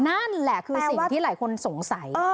นั่นแหละคือสิ่งที่หลายคนสงสัย